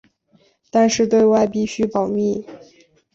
但是对外必须保密。